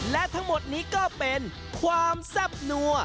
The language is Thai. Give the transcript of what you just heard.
และทั้งหมดนี้ก็เป็นความแซ่บนัว